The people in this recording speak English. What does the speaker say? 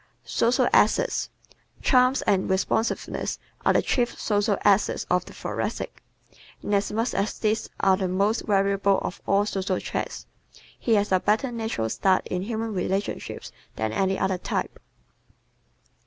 Social Assets ¶ Charm and responsiveness are the chief social assets of the Thoracic. Inasmuch as these are the most valuable of all social traits, he has a better natural start in human relationships than any other type.